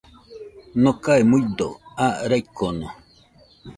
Nokae muido aa raikono.